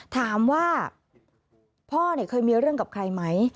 ถามว่าพ่อเคยมีเรื่องกับใครไหม